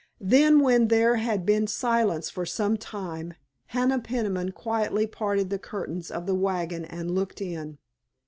Then when there had been silence for some time Hannah Peniman quietly parted the curtains of the wagon and looked in.